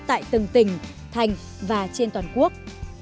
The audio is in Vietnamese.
tại từng tỉnh thành và trên toàn quốc